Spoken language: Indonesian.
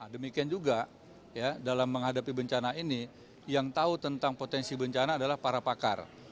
demikian juga dalam menghadapi bencana ini yang tahu tentang potensi bencana adalah para pakar